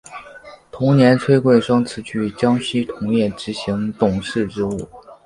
同年崔贵生辞去江西铜业执行董事职务。